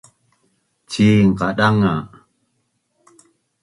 cin qadanga